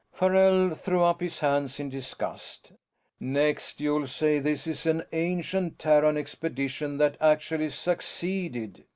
Farrell threw up his hands in disgust. "Next you'll say this is an ancient Terran expedition that actually succeeded!